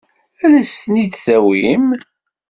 Ad as-ten-id-tawim?